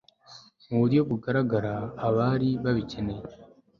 mu buryo bugaragara abari babikeneye